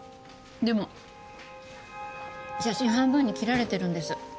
でも写真半分に切られてるんです。